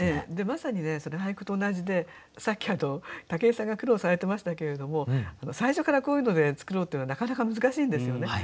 まさにそれ俳句と同じでさっき武井さんが苦労されてましたけれども最初からこういうので作ろうっていうのはなかなか難しいんですよね。